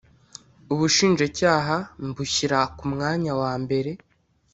ubushinjacyaha mbushyira ku mwanya wa mbere